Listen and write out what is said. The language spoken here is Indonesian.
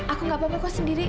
aku nggak apa apa kau sendiri